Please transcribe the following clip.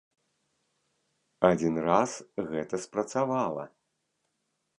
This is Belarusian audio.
Адзін раз гэта спрацавала.